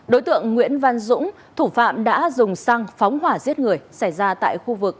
đối tượng nguyễn văn dũng thủ phạm đã dùng xăng phóng hỏa giết người xảy ra tại khu vực